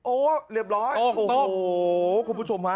โอ้โหคุณผู้ชมฮะ